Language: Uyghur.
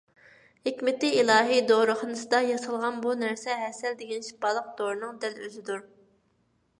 ھېكمىتى ئىلاھىي دورىخانىسىدا ياسالغان بۇ نەرسە ھەسەل دېگەن شىپالىق دورىنىڭ دەل ئۆزىدۇر.